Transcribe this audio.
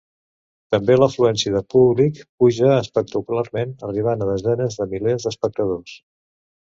També l'afluència de públic pujà espectacularment, arribant a desenes de milers d'espectadors.